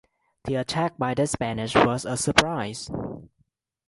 The attack by the Spanish was a surprise.